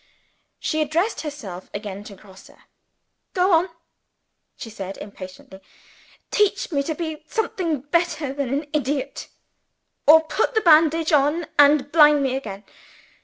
She addressed herself again to Grosse. "Go on!" she said impatiently. "Teach me to be something better than an idiot or put the bandage on, and blind me again.